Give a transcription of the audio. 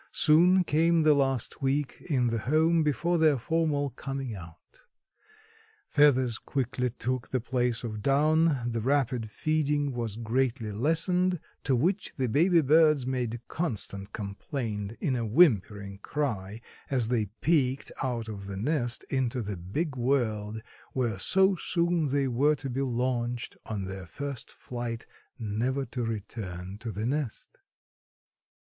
Soon came the last week in the home before their formal "coming out." Feathers quickly took the place of down; the rapid feeding was greatly lessened, to which the baby birds made constant complaint in a whimpering cry as they peeked out of the nest into the big world where so soon they were to be launched on their first flight, never to return to the nest.